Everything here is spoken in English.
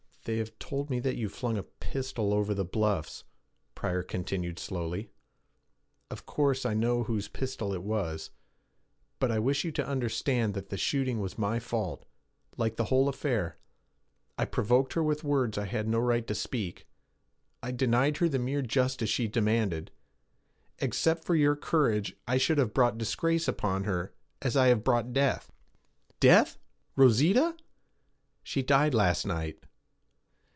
'They have told me that you flung a pistol over the bluffs,' Pryor continued slowly. 'Of course I know whose pistol it was. But I wish you to understand that the shooting was my fault, like the whole affair. I provoked her with words I had no right to speak; I denied her the mere justice she demanded. Except for your courage I should have brought disgrace upon her, as I have brought death.' 'Death? Rosita?' 'She died last night.'